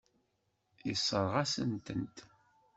Yessṛeɣ-as-tent.